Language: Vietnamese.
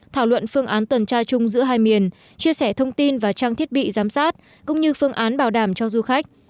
thảo luận phương án tuần tra chung giữa hai miền chia sẻ thông tin và trang thiết bị giám sát cũng như phương án bảo đảm cho du khách